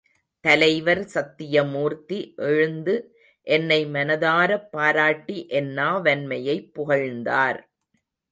தலைவர் சத்யமூர்த்தி எழுந்து என்னை மனதாரப் பாராட்டி என் நாவன்மையைப் புகழ்ந்தார்.